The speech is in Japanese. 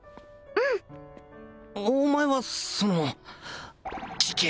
うんお前はその聞け！